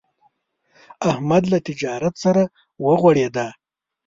احمد له تجارت سره وغوړېدا.